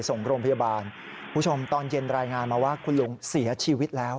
ส่งโรงพยาบาลคุณผู้ชมตอนเย็นรายงานมาว่าคุณลุงเสียชีวิตแล้ว